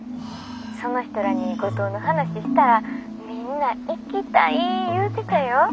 その人らに五島の話したらみんな行きたい言うてたよ。